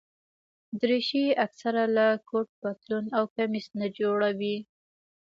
دریشي اکثره له کوټ، پتلون او کمیس نه جوړه وي.